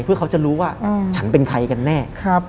เพื่อเขาจะรู้ว่าฉันเป็นใครกันแน่